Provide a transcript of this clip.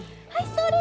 それ！